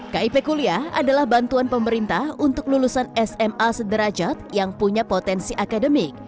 kip kuliah adalah bantuan pemerintah untuk lulusan sma sederajat yang punya potensi akademik